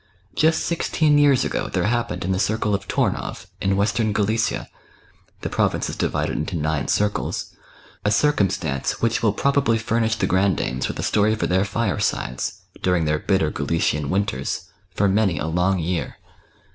Just sixteen years ago there happened in the circle of Tomow, in Western Galicia — the province is divided into nine circles — a circumstance which will probably furnish the grandames with a story for their firesides, during their bitter Galician winters, for many a long year.